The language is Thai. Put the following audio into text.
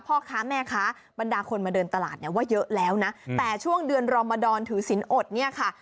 พ่อค้าแม่ค้าบรรดาคนมาเดินตลาดเนี่ยว่าเยอะแล้วนะแต่ช่วงเดือนรอมดรถือสินอดเนี่ยค่ะ